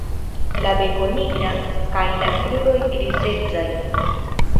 La beko nigra kaj la kruroj grizecaj.